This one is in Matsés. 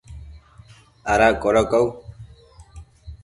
¿ ada codocau?